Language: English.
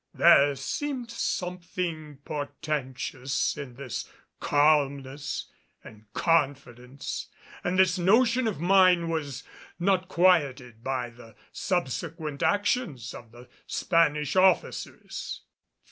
There seemed something portentous in this calmness and confidence, and this notion of mine was not quieted by the subsequent actions of the Spanish officers.